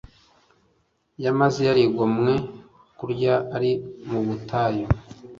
yamaze yarigomwe kurya ari mu butayu